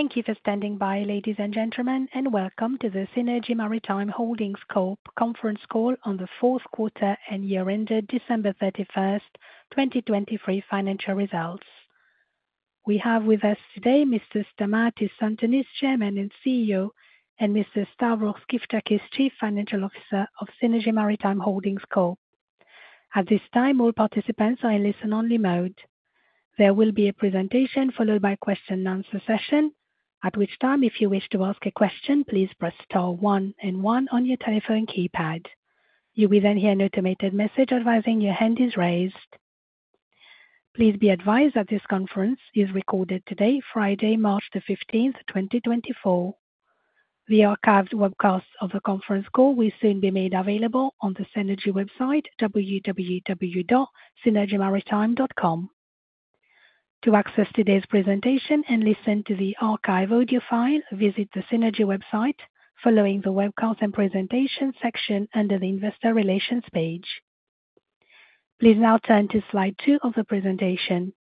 Thank you for standing by, ladies and gentlemen, and welcome to the Seanergy Maritime Holdings Corp conference call on the fourth quarter and year-ended December 31st, 2023 financial results. We have with us today Mr. Stamatis Tsantanis, Chairman and CEO, and Mr. Stavros Gyftakis, Chief Financial Officer of Seanergy Maritime Holdings Corp. At this time, all participants are in listen-only mode. There will be a presentation followed by a question-and-answer session, at which time if you wish to ask a question please press star one and one on your telephone keypad. You will then hear an automated message advising your hand is raised. Please be advised that this conference is recorded today, Friday, March the 15th, 2024. The archived webcast of the conference call will soon be made available on the Seanergy website www.seanergymaritime.com. To access today's presentation and listen to the archived audio file, visit the Seanergy website following the webcast and presentation section under the Investor Relations page. Please now turn to slide two of the presentation.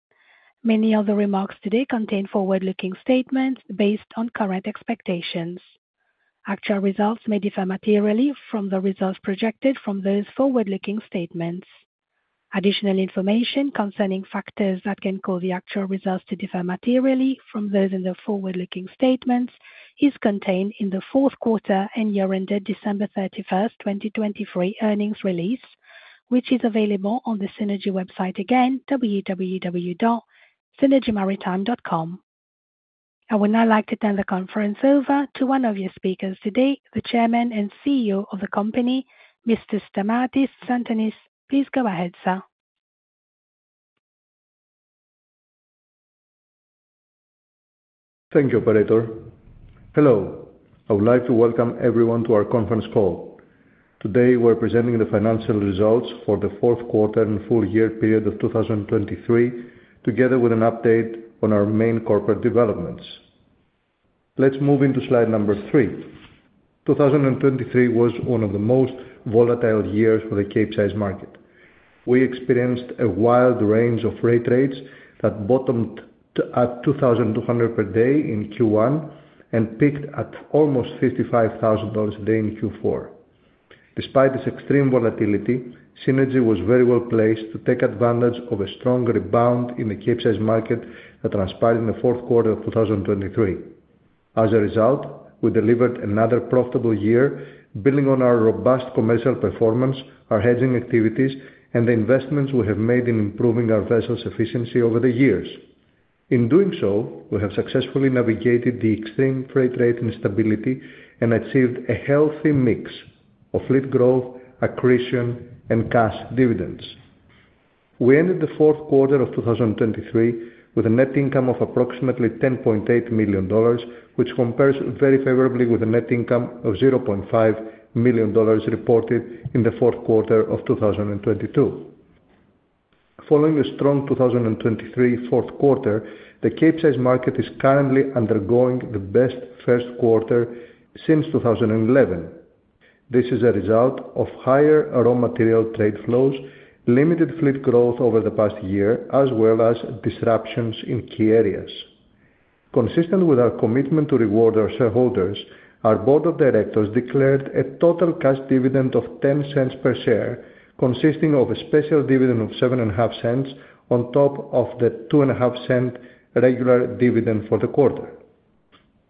Many of the remarks today contain forward-looking statements based on current expectations. Actual results may differ materially from the results projected from those forward-looking statements. Additional information concerning factors that can cause the actual results to differ materially from those in the forward-looking statements is contained in the fourth quarter and year-ended December 31st, 2023 earnings release, which is available on the Seanergy website again, www.seanergymaritime.com. I would now like to turn the conference over to one of your speakers today, the Chairman and CEO of the company, Mr. Stamatis Tsantanis. Please go ahead, sir. Thank you, Operator. Hello. I would like to welcome everyone to our conference call. Today we're presenting the financial results for the fourth quarter and full-year period of 2023, together with an update on our main corporate developments. Let's move into slide number three. 2023 was one of the most volatile years for the Capesize market. We experienced a wild range of rate trades that bottomed at 2,200 per day in Q1 and peaked at almost $55,000 a day in Q4. Despite this extreme volatility, Seanergy was very well placed to take advantage of a strong rebound in the Capesize market that transpired in the fourth quarter of 2023. As a result, we delivered another profitable year, building on our robust commercial performance, our hedging activities, and the investments we have made in improving our vessel's efficiency over the years. In doing so, we have successfully navigated the extreme freight rate instability and achieved a healthy mix of fleet growth, accretion, and cash dividends. We ended the fourth quarter of 2023 with a net income of approximately $10.8 million, which compares very favorably with a net income of $0.5 million reported in the fourth quarter of 2022. Following a strong 2023 fourth quarter, the Capesize market is currently undergoing the best first quarter since 2011. This is a result of higher raw material trade flows, limited fleet growth over the past year, as well as disruptions in key areas. Consistent with our commitment to reward our shareholders, our board of directors declared a total cash dividend of $0.10 per share, consisting of a special dividend of $0.075 on top of the $0.025 cents regular dividend for the quarter.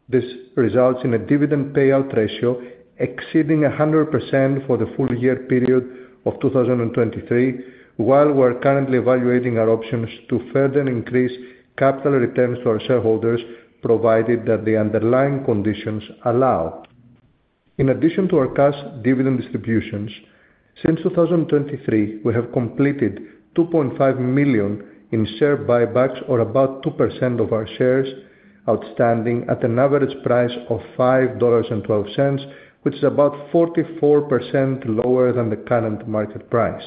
This results in a dividend payout ratio exceeding 100% for the full-year period of 2023, while we're currently evaluating our options to further increase capital returns to our shareholders, provided that the underlying conditions allow. In addition to our cash dividend distributions, since 2023 we have completed $2.5 million in share buybacks, or about 2% of our shares outstanding at an average price of $5.12, which is about 44% lower than the current market price.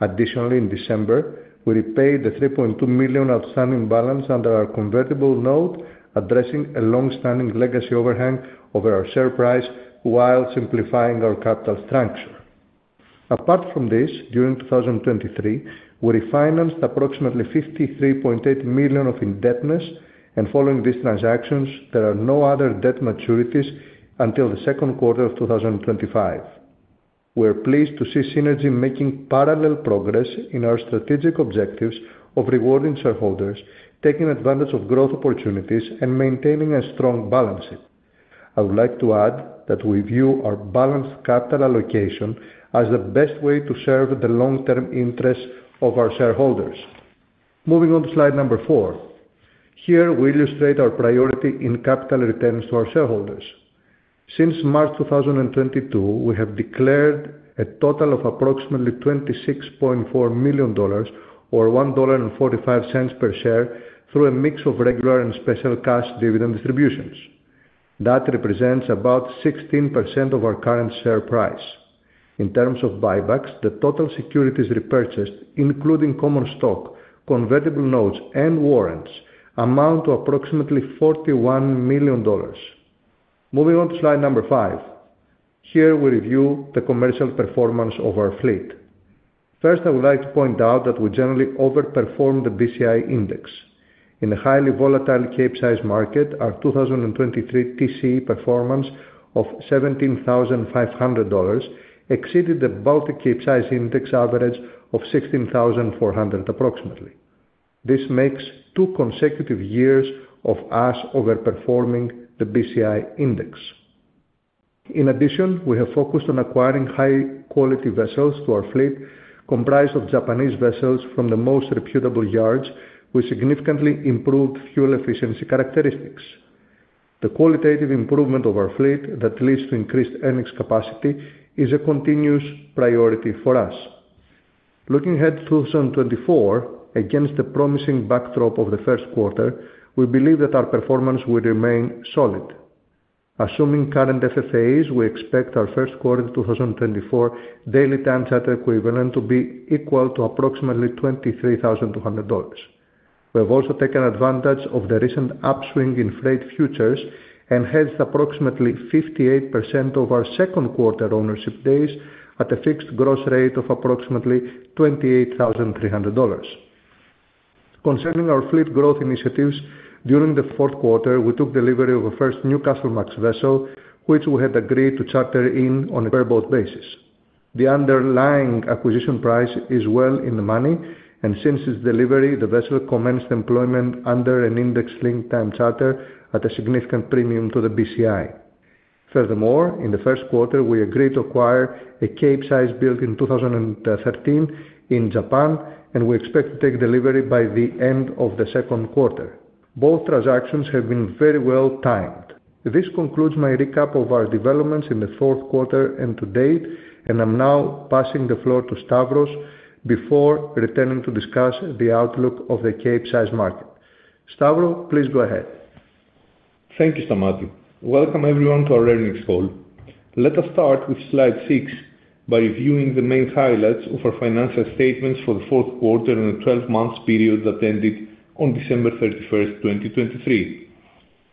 Additionally, in December, we repaid the $3.2 million outstanding balance under our convertible note, addressing a longstanding legacy overhang over our share price, while simplifying our capital structure. Apart from this, during 2023, we refinanced approximately $53.8 million of indebtedness, and following these transactions, there are no other debt maturities until the second quarter of 2025. We're pleased to see Seanergy making parallel progress in our strategic objectives of rewarding shareholders, taking advantage of growth opportunities, and maintaining a strong balance sheet. I would like to add that we view our balanced capital allocation as the best way to serve the long-term interests of our shareholders. Moving on to slide number four. Here we illustrate our priority in capital returns to our shareholders. Since March 2022, we have declared a total of approximately $26.4 million, or $1.45 per share, through a mix of regular and special cash dividend distributions. That represents about 16% of our current share price. In terms of buybacks, the total securities repurchased, including common stock, convertible notes, and warrants, amount to approximately $41 million. Moving on to slide number five. Here we review the commercial performance of our fleet. First, I would like to point out that we generally overperform the BCI index. In a highly volatile Capesize market, our 2023 TCE performance of $17,500 exceeded the Baltic Capesize index average of $16,400 approximately. This makes two consecutive years of us overperforming the BCI index. In addition, we have focused on acquiring high-quality vessels to our fleet, comprised of Japanese vessels from the most reputable yards, with significantly improved fuel efficiency characteristics. The qualitative improvement of our fleet, that leads to increased earnings capacity, is a continuous priority for us. Looking ahead to 2024, against the promising backdrop of the first quarter, we believe that our performance will remain solid. Assuming current FFAs, we expect our first quarter of 2024 daily time charter equivalent to be equal to approximately $23,200. We have also taken advantage of the recent upswing in freight futures, and hedged approximately 58% of our second quarter ownership days at a fixed gross rate of approximately $28,300. Concerning our fleet growth initiatives, during the fourth quarter we took delivery of a first Newcastlemax vessel, which we had agreed to charter in on a bareboat basis. The underlying acquisition price is well in the money, and since its delivery the vessel commenced employment under an index-linked time charter at a significant premium to the BCI. Furthermore, in the first quarter we agreed to acquire a Capesize built in 2013 in Japan, and we expect to take delivery by the end of the second quarter. Both transactions have been very well timed. This concludes my recap of our developments in the fourth quarter and to date, and I'm now passing the floor to Stavros before returning to discuss the outlook of the Capesize market. Stavros, please go ahead. Thank you, Stamatis. Welcome everyone to our earnings call. Let us start with slide six by reviewing the main highlights of our financial statements for the fourth quarter and the 12-month period that ended on December 31st, 2023.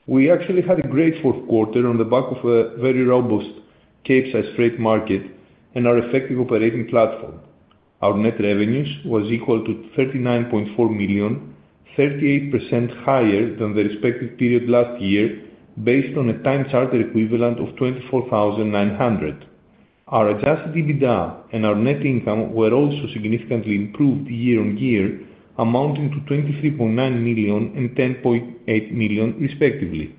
We actually had a great fourth quarter on the back of a very robust Capesize freight market and our effective operating platform. Our net revenues were equal to $39.4 million, 38% higher than the respective period last year, based on a time charter equivalent of $24,900. Our Adjusted EBITDA and our net income were also significantly improved year-on-year, amounting to $23.9 million and $10.8 million, respectively.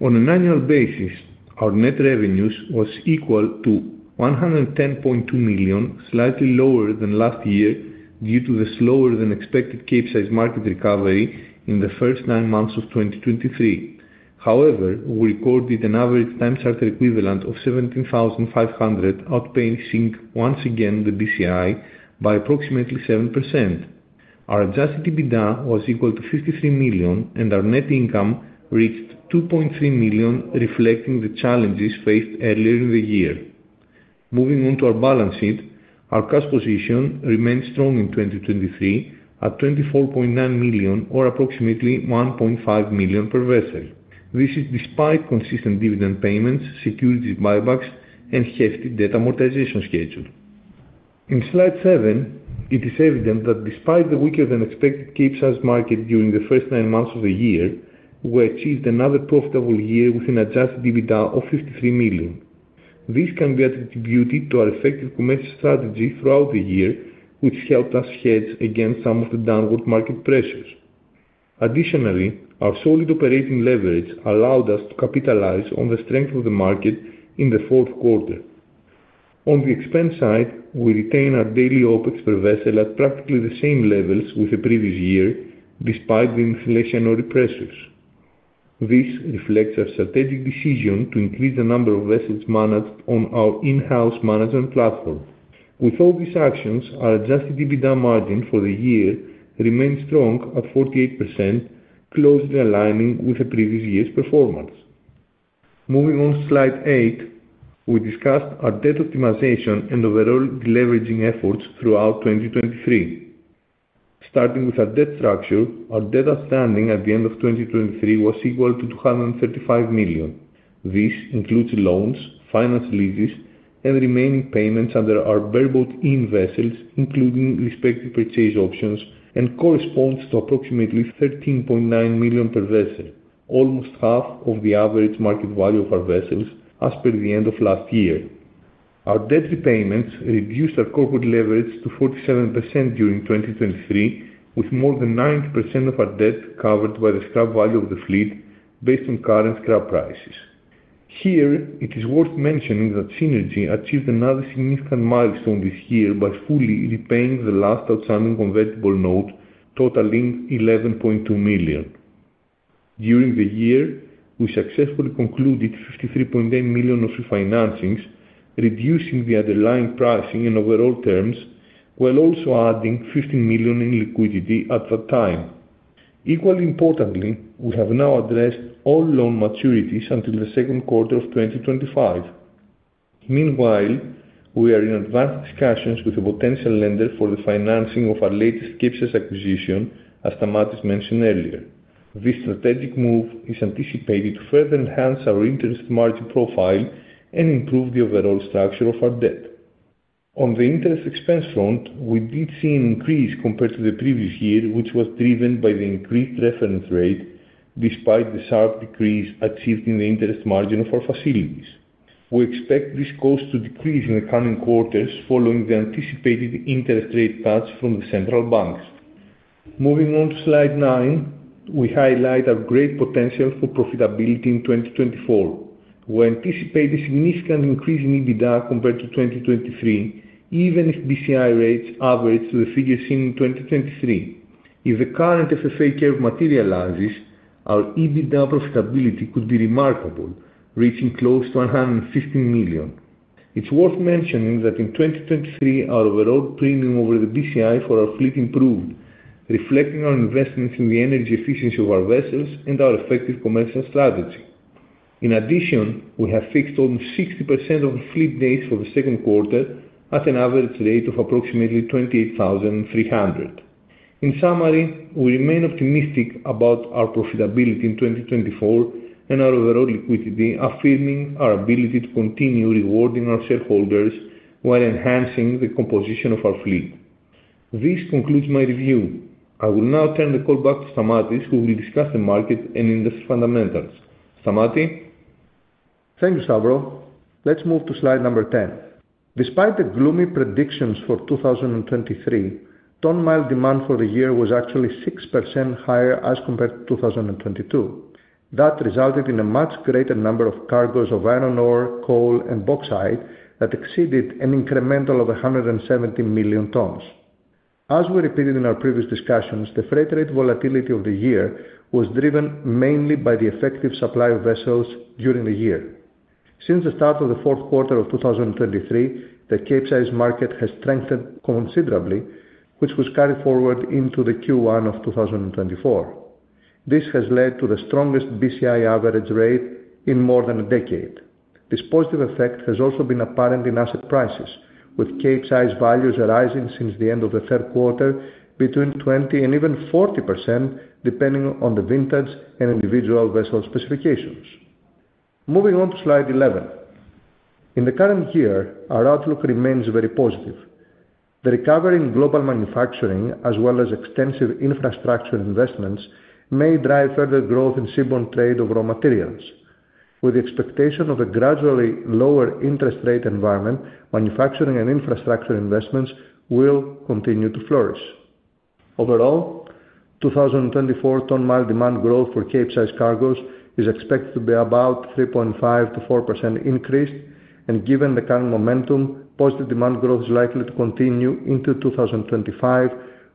On an annual basis, our net revenues were equal to $110.2 million, slightly lower than last year due to the slower-than-expected Capesize market recovery in the first nine months of 2023. However, we recorded an average time charter equivalent of $17,500, outpacing once again the BCI by approximately 7%. Our Adjusted EBITDA was equal to $53 million, and our net income reached $2.3 million, reflecting the challenges faced earlier in the year. Moving on to our balance sheet, our cash position remained strong in 2023 at $24.9 million, or approximately $1.5 million per vessel. This is despite consistent dividend payments, securities buybacks, and hefty debt amortization schedule. In slide seven, it is evident that despite the weaker-than-expected Capesize market during the first nine months of the year, we achieved another profitable year with an Adjusted EBITDA of $53 million. This can be attributed to our effective commercial strategy throughout the year, which helped us hedge against some of the downward market pressures. Additionally, our solid operating leverage allowed us to capitalize on the strength of the market in the fourth quarter. On the expense side, we retained our daily OPEX per vessel at practically the same levels with the previous year, despite the inflationary pressures. This reflects our strategic decision to increase the number of vessels managed on our in-house management platform. With all these actions, our adjusted EBITDA margin for the year remained strong at 48%, closely aligning with the previous year's performance. Moving on to slide eight, we discussed our debt optimization and overall leveraging efforts throughout 2023. Starting with our debt structure, our debt outstanding at the end of 2023 was equal to $235 million. This includes loans, finance leases, and remaining payments under our bareboat-in vessels, including respective purchase options, and corresponds to approximately $13.9 million per vessel, almost half of the average market value of our vessels as per the end of last year. Our debt repayments reduced our corporate leverage to 47% during 2023, with more than 90% of our debt covered by the scrap value of the fleet, based on current scrap prices. Here, it is worth mentioning that Seanergy achieved another significant milestone this year by fully repaying the last outstanding convertible note, totaling $11.2 million. During the year, we successfully concluded $53.9 million of refinancings, reducing the underlying pricing in overall terms, while also adding $15 million in liquidity at that time. Equally importantly, we have now addressed all loan maturities until the second quarter of 2025. Meanwhile, we are in advanced discussions with a potential lender for the financing of our latest Capesize acquisition, as Stamatis mentioned earlier. This strategic move is anticipated to further enhance our interest margin profile and improve the overall structure of our debt. On the interest expense front, we did see an increase compared to the previous year, which was driven by the increased reference rate, despite the sharp decrease achieved in the interest margin of our facilities. We expect this cost to decrease in the coming quarters following the anticipated interest rate cuts from the central banks. Moving on to slide nine, we highlight our great potential for profitability in 2024. We anticipate a significant increase in EBITDA compared to 2023, even if BCI rates average to the figures seen in 2023. If the current FFA curve materializes, our EBITDA profitability could be remarkable, reaching close to $115 million. It's worth mentioning that in 2023, our overall premium over the BCI for our fleet improved, reflecting our investments in the energy efficiency of our vessels and our effective commercial strategy. In addition, we have fixed almost 60% of our fleet days for the second quarter at an average rate of approximately $28,300. In summary, we remain optimistic about our profitability in 2024 and our overall liquidity, affirming our ability to continue rewarding our shareholders while enhancing the composition of our fleet. This concludes my review. I will now turn the call back to Stamatis, who will discuss the market and industry fundamentals. Stamatis? Thank you, Stavros. Let's move to slide number 10. Despite the gloomy predictions for 2023, tonne-mile demand for the year was actually 6% higher as compared to 2022. That resulted in a much greater number of cargoes of iron ore, coal, and bauxite that exceeded an incremental of 170 million tons. As we repeated in our previous discussions, the freight rate volatility of the year was driven mainly by the effective supply of vessels during the year. Since the start of the fourth quarter of 2023, the Capesize market has strengthened considerably, which was carried forward into the Q1 of 2024. This has led to the strongest BCI average rate in more than a decade. This positive effect has also been apparent in asset prices, with Capesize values rising since the end of the third quarter between 20% and even 40%, depending on the vintage and individual vessel specifications. Moving on to slide 11. In the current year, our outlook remains very positive. The recovery in global manufacturing, as well as extensive infrastructure investments, may drive further growth in seaborne trade of raw materials. With the expectation of a gradually lower interest rate environment, manufacturing and infrastructure investments will continue to flourish. Overall, 2024 tonne-mile demand growth for Capesize cargoes is expected to be about 3.5%-4% increased, and given the current momentum, positive demand growth is likely to continue into 2025,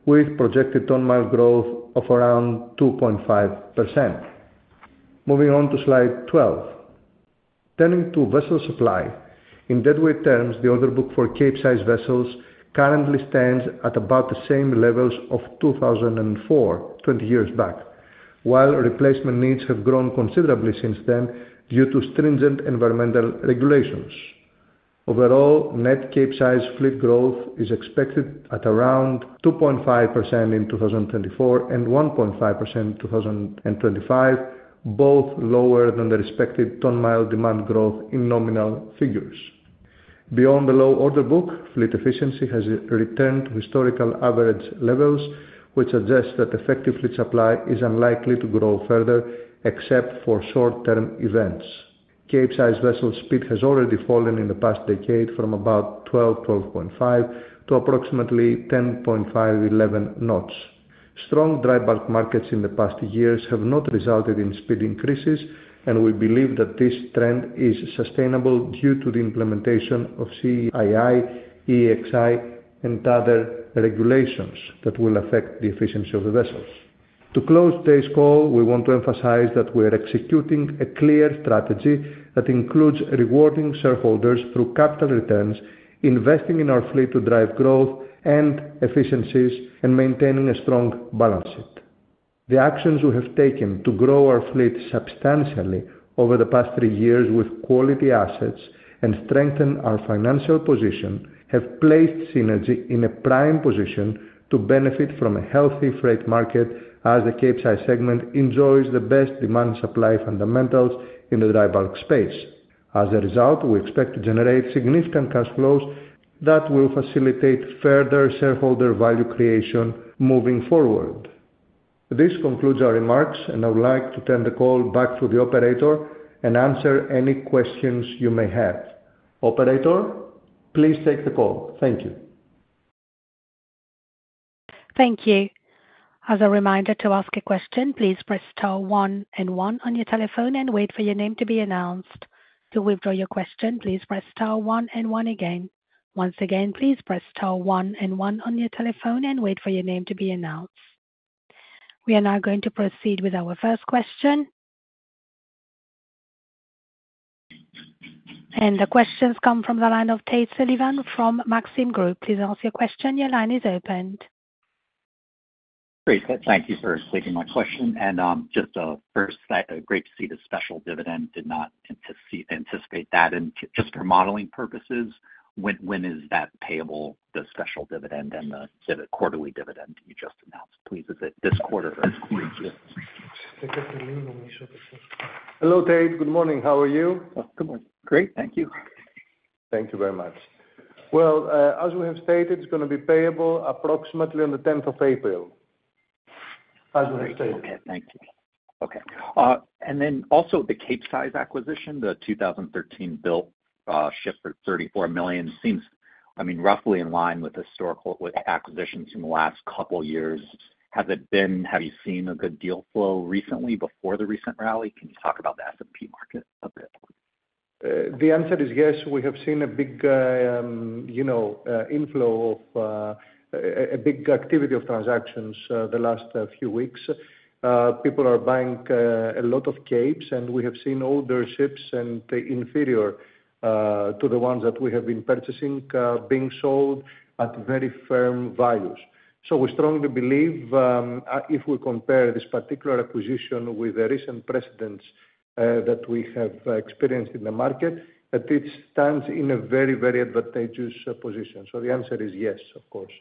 with projected tonne-mile growth of around 2.5%. Moving on to slide 12. Turning to vessel supply. In deadweight terms, the order book for Capesize vessels currently stands at about the same levels of 2004, 20 years back, while replacement needs have grown considerably since then due to stringent environmental regulations. Overall, net Capesize fleet growth is expected at around 2.5% in 2024 and 1.5% in 2025, both lower than the respective tonne-mile demand growth in nominal figures. Beyond the low order book, fleet efficiency has returned to historical average levels, which suggests that effective fleet supply is unlikely to grow further, except for short-term events. Capesize vessel speed has already fallen in the past decade from about 12-12.5 to approximately 10.5-11 knots. Strong dry bulk markets in the past years have not resulted in speed increases, and we believe that this trend is sustainable due to the implementation of CII, EEXI, and other regulations that will affect the efficiency of the vessels. To close today's call, we want to emphasize that we are executing a clear strategy that includes rewarding shareholders through capital returns, investing in our fleet to drive growth and efficiencies, and maintaining a strong balance sheet. The actions we have taken to grow our fleet substantially over the past three years with quality assets and strengthen our financial position have placed Seanergy in a prime position to benefit from a healthy freight market as the Capesize segment enjoys the best demand-supply fundamentals in the dry bulk space. As a result, we expect to generate significant cash flows that will facilitate further shareholder value creation moving forward. This concludes our remarks, and I would like to turn the call back to the operator and answer any questions you may have. Operator, please take the call. Thank you. Thank you. As a reminder to ask a question, please press star one on your telephone and wait for your name to be announced. To withdraw your question, please press star one again. Once again, please press star one on your telephone and wait for your name to be announced. We are now going to proceed with our first question. The questions come from the line of Tate Sullivan from Maxim Group. Please ask your question. Your line is opened. Great. Thank you for taking my question. And just first, great to see the special dividend. Did not anticipate that. And just for modeling purposes, when is that payable, the special dividend and the quarterly dividend you just announced? Please, is it this quarter or this quarter? Hello, Tate. Good morning. How are you? Good morning. Great. Thank you. Thank you very much. Well, as we have stated, it's going to be payable approximately on the 10th of April, as we have stated. Okay. Thank you. Okay. And then also the Capesize acquisition, the 2013-built ship for $34 million, seems, I mean, roughly in line with acquisitions from the last couple of years. Have you seen a good deal flow recently before the recent rally? Can you talk about the S&P market a bit? The answer is yes. We have seen a big inflow of a big activity of transactions the last few weeks. People are buying a lot of capes, and we have seen older ships and inferior to the ones that we have been purchasing being sold at very firm values. So we strongly believe, if we compare this particular acquisition with the recent precedents that we have experienced in the market, that it stands in a very, very advantageous position. So the answer is yes, of course.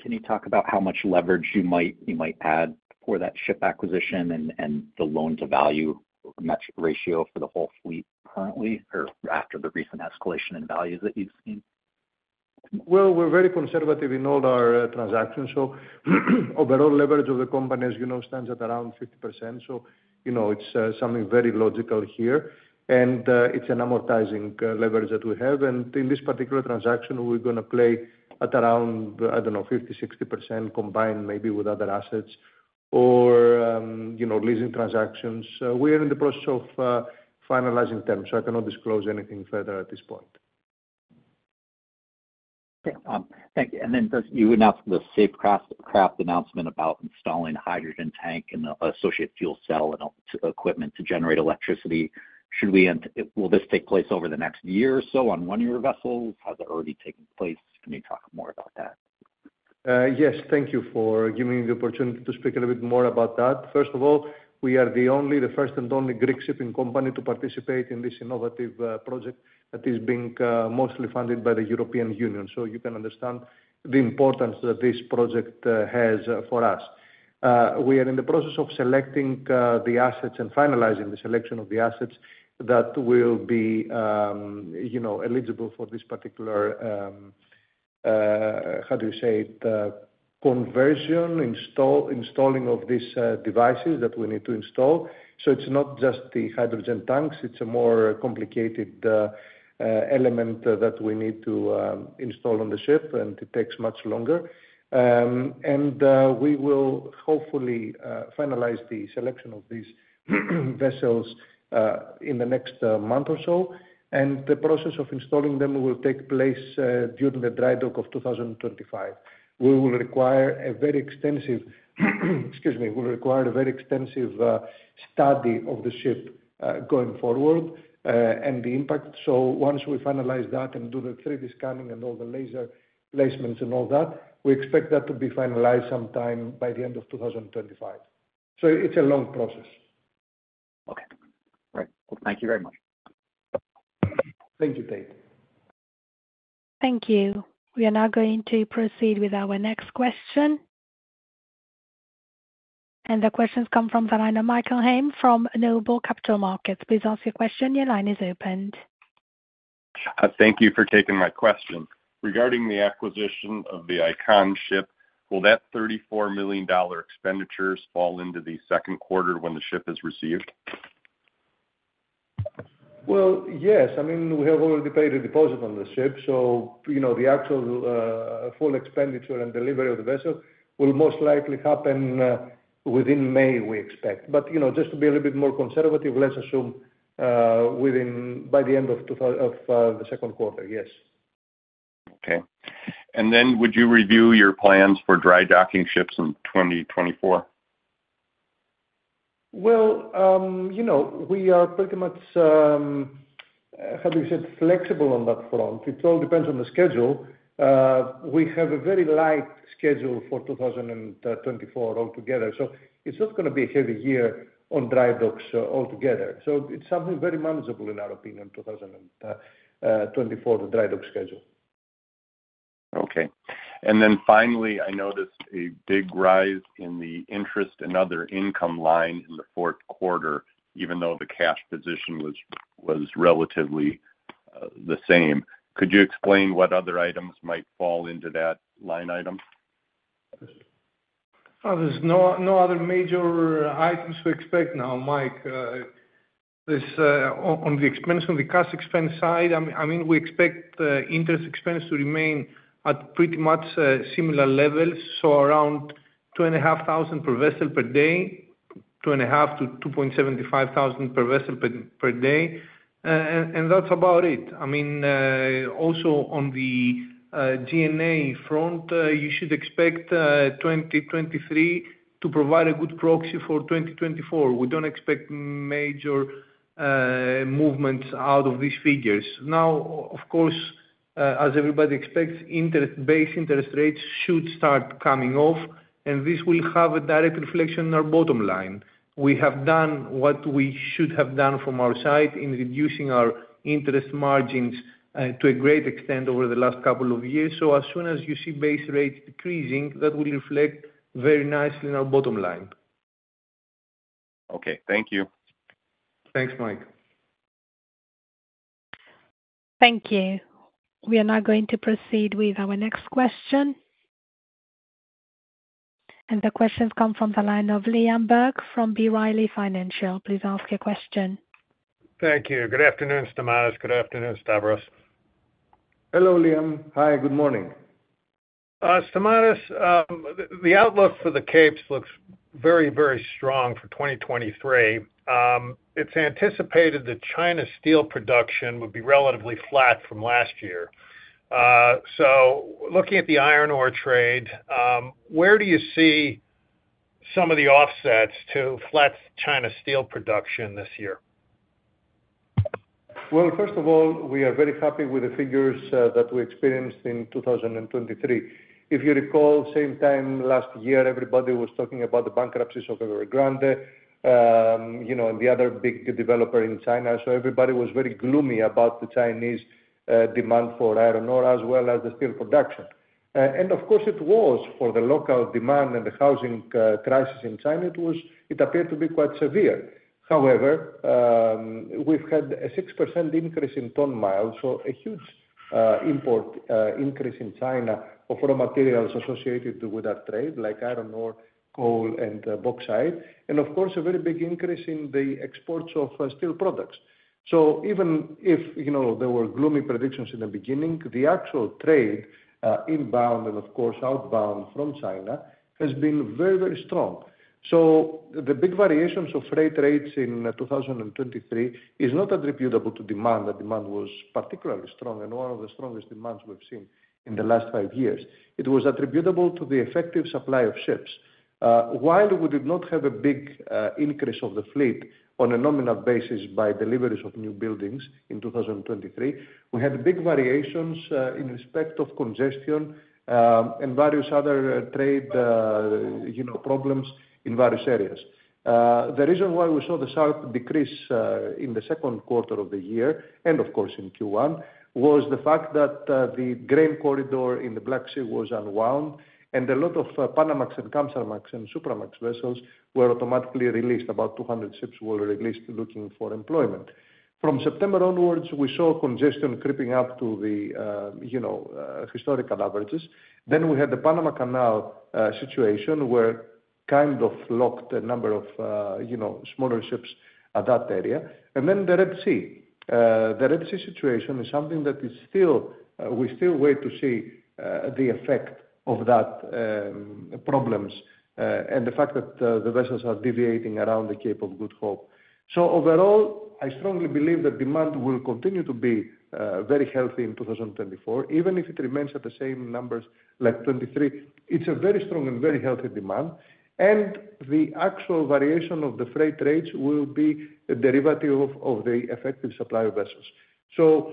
Can you talk about how much leverage you might add for that ship acquisition and the loan-to-value ratio for the whole fleet currently or after the recent escalation in values that you've seen? Well, we're very conservative in all our transactions. So overall leverage of the companies stands at around 50%. So it's something very logical here. And it's an amortizing leverage that we have. And in this particular transaction, we're going to play at around, I don't know, 50-60% combined maybe with other assets or leasing transactions. We are in the process of finalizing terms, so I cannot disclose anything further at this point. Okay. Thank you. And then you announced the SAFeCRAFT announcement about installing a hydrogen tank and associated fuel cell equipment to generate electricity. Will this take place over the next year or so on one-year vessels? Has it already taken place? Can you talk more about that? Yes. Thank you for giving me the opportunity to speak a little bit more about that. First of all, we are the only, the first, and only Greek shipping company to participate in this innovative project that is being mostly funded by the European Union. So you can understand the importance that this project has for us. We are in the process of selecting the assets and finalizing the selection of the assets that will be eligible for this particular, how do you say it, conversion, installing of these devices that we need to install. So it's not just the hydrogen tanks. It's a more complicated element that we need to install on the ship, and it takes much longer. We will hopefully finalize the selection of these vessels in the next month or so. The process of installing them will take place during the dry dock of 2025. We will require a very extensive, excuse me, we will require a very extensive study of the ship going forward and the impact. So once we finalize that and do the 3D scanning and all the laser placements and all that, we expect that to be finalized sometime by the end of 2025. So it's a long process. Okay. All right. Well, thank you very much. Thank you, Tate. Thank you. We are now going to proceed with our next question. The questions come from the line of Michael Heim from Noble Capital Markets. Please ask your question. Your line is opened. Thank you for taking my question. Regarding the acquisition of the Iconship, will that $34 million expenditure fall into the second quarter when the ship is received? Well, yes. I mean, we have already paid a deposit on the ship. So the actual full expenditure and delivery of the vessel will most likely happen within May, we expect. But just to be a little bit more conservative, let's assume by the end of the second quarter, yes. Okay. And then would you review your plans for dry docking ships in 2024? Well, we are pretty much, how do you say it, flexible on that front. It all depends on the schedule. We have a very light schedule for 2024 altogether. So it's not going to be a heavy year on dry docks altogether. So it's something very manageable, in our opinion, 2024, the dry dock schedule. Okay. Finally, I noticed a big rise in the interest and other income line in the fourth quarter, even though the cash position was relatively the same. Could you explain what other items might fall into that line item? There's no other major items to expect now, Mike. On the expense on the cost expense side, I mean, we expect interest expense to remain at pretty much similar levels, so around $2,500 per vessel per day, $2,500-$2,750 per vessel per day. That's about it. I mean, also on the G&A front, you should expect 2023 to provide a good proxy for 2024. We don't expect major movements out of these figures. Now, of course, as everybody expects, base interest rates should start coming off, and this will have a direct reflection in our bottom line. We have done what we should have done from our side in reducing our interest margins to a great extent over the last couple of years. As soon as you see base rates decreasing, that will reflect very nicely in our bottom line. Okay. Thank you. Thanks, Mike. Thank you. We are now going to proceed with our next question. The questions come from the line of Liam Burke from B. Riley Securities. Please ask your question. Thank you. Good afternoon, Stamatis. Good afternoon, Stavros. Hello, Liam. Hi. Good morning. Stamatis, the outlook for the capes looks very, very strong for 2023. It's anticipated that China steel production would be relatively flat from last year. So looking at the iron ore trade, where do you see some of the offsets to flat China steel production this year? Well, first of all, we are very happy with the figures that we experienced in 2023. If you recall, same time last year, everybody was talking about the bankruptcies of Evergrande and the other big developer in China. So everybody was very gloomy about the Chinese demand for iron ore as well as the steel production. And of course, it was for the lockdown demand and the housing crisis in China. It appeared to be quite severe. However, we've had a 6% increase in tonne miles, so a huge import increase in China of raw materials associated with our trade like iron ore, coal, and bauxite, and of course, a very big increase in the exports of steel products. So even if there were gloomy predictions in the beginning, the actual trade inbound and, of course, outbound from China has been very, very strong. So the big variations of freight rates in 2023 is not attributable to demand. The demand was particularly strong and one of the strongest demands we've seen in the last five years. It was attributable to the effective supply of ships. While we did not have a big increase of the fleet on a nominal basis by deliveries of new buildings in 2023, we had big variations in respect of congestion and various other trade problems in various areas. The reason why we saw the sharp decrease in the second quarter of the year and, of course, in Q1 was the fact that the grain corridor in the Black Sea was unwound, and a lot of Panamax and Kamsarmax and Supramax vessels were automatically released. About 200 ships were released looking for employment. From September onwards, we saw congestion creeping up to the historical averages. Then we had the Panama Canal situation where kind of locked a number of smaller ships at that area. And then the Red Sea. The Red Sea situation is something that we still wait to see the effect of that problems and the fact that the vessels are deviating around the Cape of Good Hope. So overall, I strongly believe that demand will continue to be very healthy in 2024, even if it remains at the same numbers like 2023. It's a very strong and very healthy demand. And the actual variation of the freight rates will be a derivative of the effective supply of vessels. So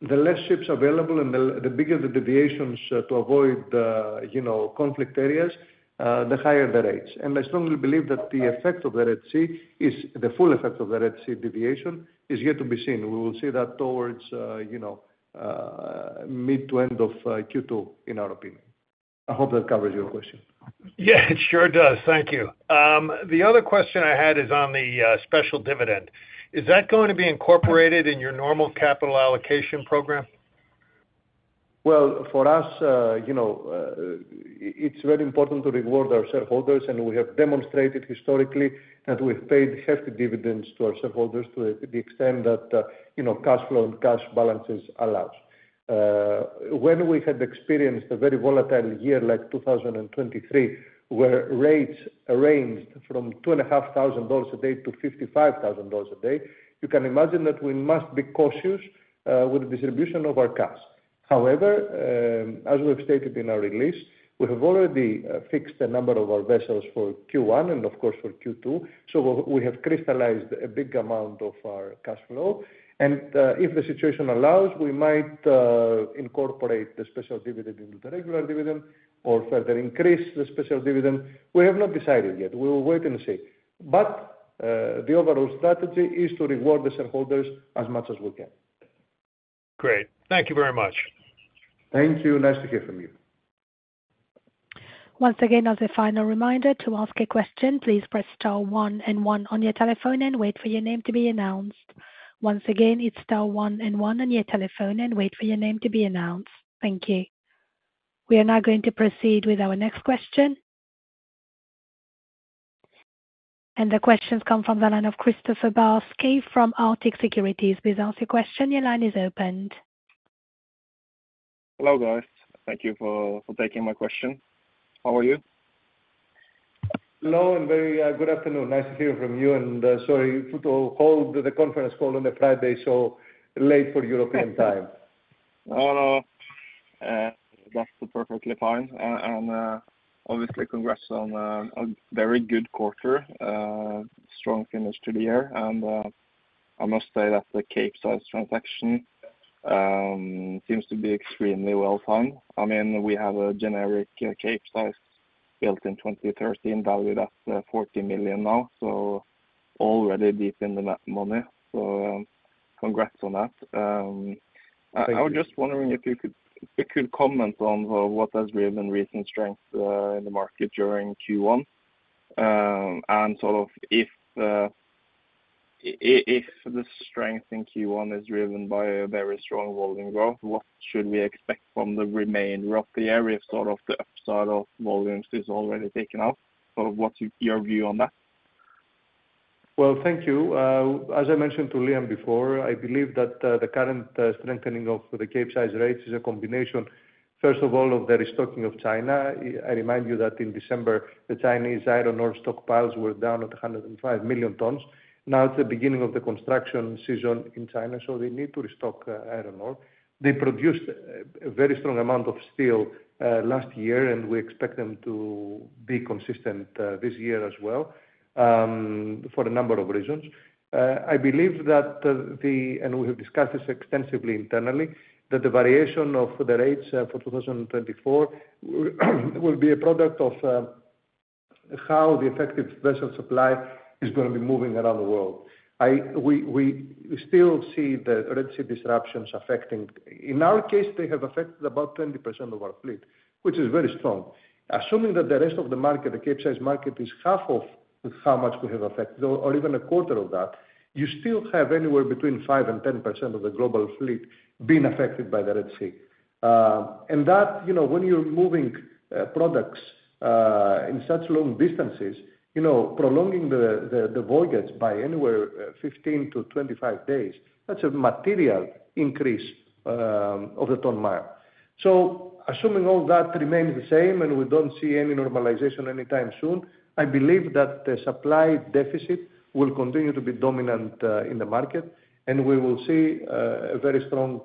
the less ships available and the bigger the deviations to avoid conflict areas, the higher the rates. And I strongly believe that the effect of the Red Sea is the full effect of the Red Sea deviation is yet to be seen. We will see that towards mid to end of Q2, in our opinion. I hope that covers your question. Yeah, it sure does. Thank you. The other question I had is on the special dividend. Is that going to be incorporated in your normal capital allocation program? Well, for us, it's very important to reward our shareholders. We have demonstrated historically that we've paid hefty dividends to our shareholders to the extent that cash flow and cash balances allow. When we had experienced a very volatile year like 2023 where rates ranged from $2,500-$55,000 a day, you can imagine that we must be cautious with the distribution of our cash. However, as we have stated in our release, we have already fixed the number of our vessels for Q1 and, of course, for Q2. We have crystallized a big amount of our cash flow. If the situation allows, we might incorporate the special dividend into the regular dividend or further increase the special dividend. We have not decided yet. We will wait and see. The overall strategy is to reward the shareholders as much as we can. Great. Thank you very much. Thank you. Nice to hear from you. Once again, as a final reminder, to ask a question, please press star one and one on your telephone and wait for your name to be announced. Once again, it's star one and one on your telephone and wait for your name to be announced. Thank you. We are now going to proceed with our next question. The questions come from the line of Kristoffer Barth Skeie from Arctic Securities. Please ask your question. Your line is open. Hello, guys. Thank you for taking my question. How are you? Hello and very good afternoon. Nice to hear from you. Sorry to hold the conference call on a Friday so late for European time. Oh, no. That's perfectly fine. Obviously, congrats on a very good quarter, strong finish to the year. I must say that the Capesize transaction seems to be extremely well timed. I mean, we have a generic Capesize built in 2013 valued at $40 million now, so already deep in the money. So congrats on that. I was just wondering if you could comment on what has driven recent strength in the market during Q1 and sort of if the strength in Q1 is driven by a very strong volume growth, what should we expect from the remainder of the year if sort of the upside of volumes is already taken out? Sort of what's your view on that? Well, thank you. As I mentioned to Liam before, I believe that the current strengthening of the Capesize rates is a combination, first of all, of the restocking of China. I remind you that in December, the Chinese iron ore stockpiles were down at 105 million tons. Now it's the beginning of the construction season in China, so they need to restock iron ore. They produced a very strong amount of steel last year, and we expect them to be consistent this year as well for a number of reasons. I believe that, and we have discussed this extensively internally, that the variation of the rates for 2024 will be a product of how the effective vessel supply is going to be moving around the world. We still see the Red Sea disruptions affecting, in our case, they have affected about 20% of our fleet, which is very strong. Assuming that the rest of the market, the Capesize market, is half of how much we have affected or even a quarter of that, you still have anywhere between 5%-10% of the global fleet being affected by the Red Sea. And that when you're moving products in such long distances, prolonging the voyage by anywhere 15-25 days, that's a material increase of the tonne-mile. So assuming all that remains the same and we don't see any normalization anytime soon, I believe that the supply deficit will continue to be dominant in the market, and we will see a very strong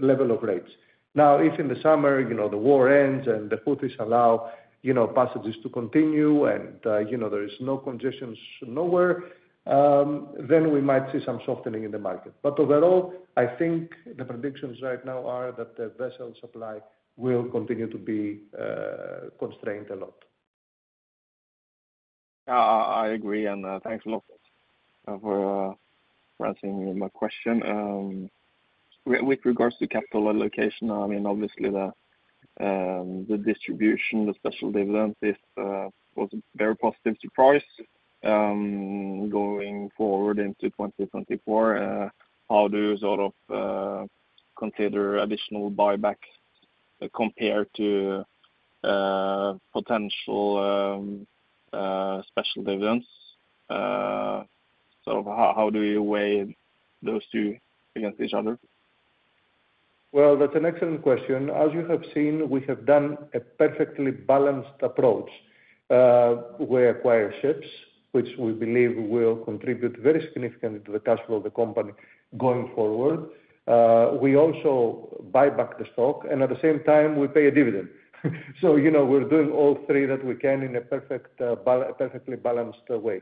level of rates. Now, if in the summer the war ends and the Houthis allow passages to continue and there is no congestion nowhere, then we might see some softening in the market. But overall, I think the predictions right now are that the vessel supply will continue to be constrained a lot. I agree. And thanks a lot for addressing my question. With regards to capital allocation, I mean, obviously, the distribution, the special dividend, this was a very positive surprise going forward into 2024. How do you sort of consider additional buyback compared to potential special dividends? Sort of how do you weigh those two against each other? Well, that's an excellent question. As you have seen, we have done a perfectly balanced approach. We acquire ships, which we believe will contribute very significantly to the cash flow of the company going forward. We also buy back the stock. And at the same time, we pay a dividend. So we're doing all three that we can in a perfectly balanced way.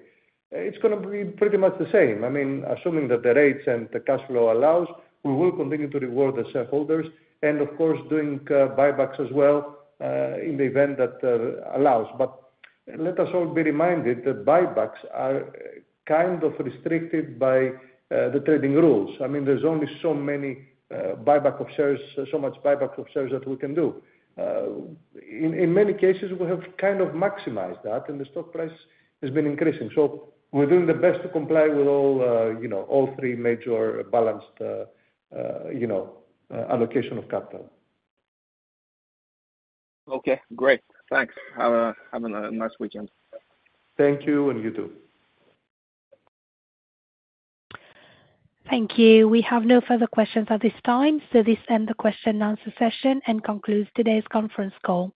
It's going to be pretty much the same. I mean, assuming that the rates and the cash flow allows, we will continue to reward the shareholders and, of course, doing buybacks as well in the event that allows. But let us all be reminded that buybacks are kind of restricted by the trading rules. I mean, there's only so many buyback of shares, so much buyback of shares that we can do. In many cases, we have kind of maximized that, and the stock price has been increasing. So we're doing the best to comply with all three major balanced allocation of capital. Okay. Great. Thanks. Have a nice weekend. Thank you. And you too. Thank you. We have no further questions at this time. So this ends the question and answer session and concludes today's conference call.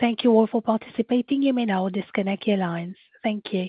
Thank you all for participating. You may now disconnect your lines. Thank you.